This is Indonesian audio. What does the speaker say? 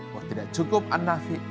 wah tidak cukup an nafi